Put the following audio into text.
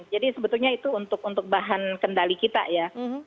jadi sebetulnya itu untuk bahan kendali kita ya